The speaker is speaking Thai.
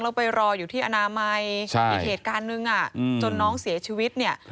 แล้วไปรออยู่ที่อนามัยอีกเหตุการณ์นึงจนน้องเสียชีวิตเนี่ย